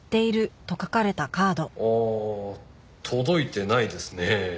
ああ届いてないですね。